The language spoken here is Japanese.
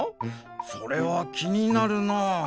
それはきになるなあ。